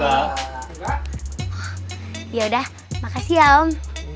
oh yaudah makasih ya om